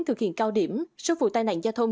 thực hiện cao điểm số vụ tai nạn giao thông